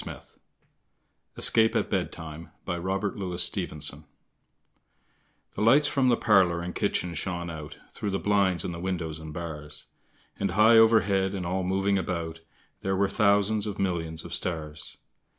Christina Rossetti [204 RAINBOW GOLD ESCAPE AT BEDTIME THE lights from the parlour and kitchen shone out Through the blinds and the windows and bars; And high overhead and all moving about, There were thousands of millions of stars.